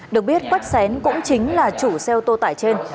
được biết quách xén cũng chính là chủ xe ô tô tải trên